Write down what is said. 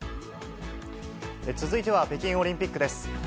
続いては北京オリンピックです。